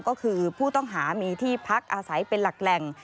ก็คือผู้ต้องหามีที่พักอาศัยเป็นหลักแหล่ง